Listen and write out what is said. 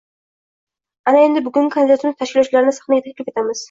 ana endi bugungi konsertimiz tashkilotchilarini sahnaga taklif qilamiz